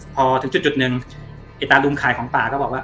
พอถึงจุดหนึ่งไอ้ตาลุงขายของป่าก็บอกว่า